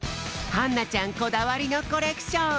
はんなちゃんこだわりのコレクション！